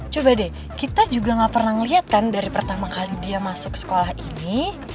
coba deh kita juga gak pernah ngeliat kan dari pertama kali dia masuk sekolah ini